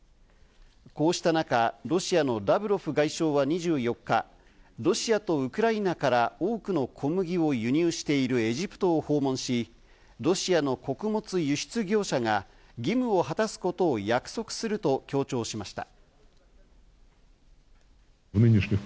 こうした中、ロシアのラブロフ外相は２４日、ロシアとウクライナから多くの小麦を輸入しているエジプトを訪問し、ロシアの穀物輸出業者が義務を果たすことを約束すると強調しました。